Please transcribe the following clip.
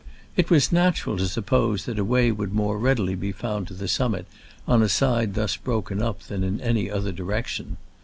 It was natural to suppose that a way would more readily be found to the summit on a side thus broken up than in any other direction.